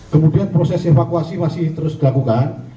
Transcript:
kemudian proses evakuasi masih terus dilakukan